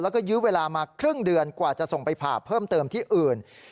แล้วก็ยื้อเวลามาครึ่งเดือนกว่าจะส่งไปผ่าเพิ่มเติมที่อื่น